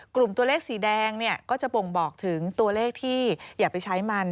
กลุ่มตัวเลขสีแดงเนี่ยก็จะบ่งบอกถึงตัวเลขที่อย่าไปใช้มัน